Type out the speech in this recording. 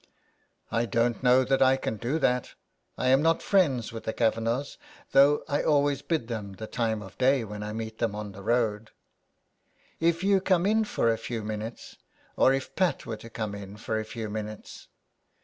*' I don't know that I can do that. I am not friends with the Kavanaghs, though I always bid them the time of day when I meet them on the road." " If you come in for a few minutes, or if Pat were to come in for a few minutes.